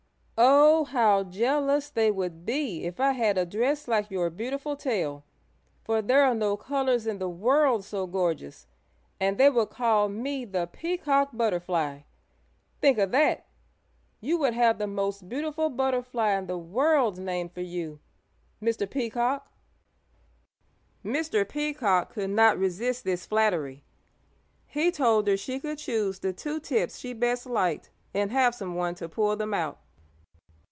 "Oh, how jealous they would be if I had a dress like your beautiful tail, for there are no colors in the world so gorgeous, and they would call me the Peacock Butterfly! Think of that! You would have the most beautiful butterfly in the world named for you, Mr. Peacock!" Mr. Peacock could not resist this flattery. He told her she could choose the two tips she best liked and have some one to pull them out.